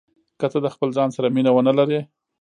که ته د خپل ځان سره مینه ونه لرې.